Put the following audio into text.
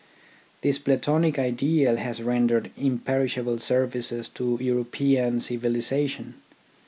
This Platonic ideal has rendered imperishable services to European civilisation.